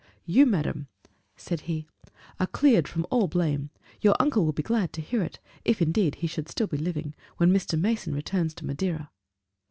"You, madam," said he, "are cleared from all blame; your uncle will be glad to hear it if indeed he should be still living when Mr. Mason returns to Madeira."